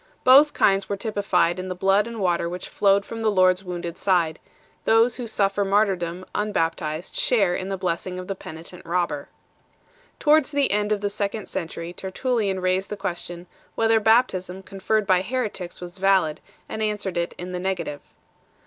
Both kinds were typified in the blood and water which flowed from the Lord s wounded side 1 ; those who suffer martyrdom unbaptized share in the blessing of the penitent robber 2 . Towards the end of the second century Tertullian 3 raised the question, whether baptism conferred by heretics was valid, and answered it in the negative.